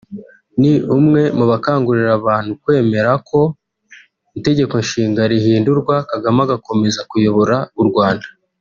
Mi umwe mu bakangurira abantu kwemera ko itegeko nshinga rihindurwa Kagame agakomeza kuyobora u Rwanda